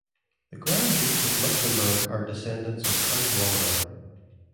The Grand Dukes of Luxemburg are descendants of count Walram.